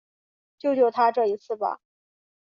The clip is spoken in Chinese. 救救他这一次吧